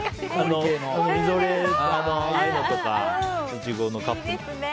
みぞれだったり、ああいうのとかイチゴのカップとか。